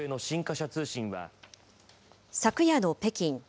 昨夜の北京。